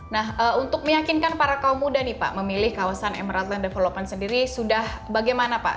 nah untuk meyakinkan para kaum muda nih pak memilih kawasan emerald land development sendiri sudah bagaimana pak